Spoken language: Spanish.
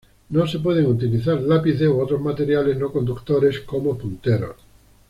No se pueden utilizar lápices u otros materiales no conductores como punteros.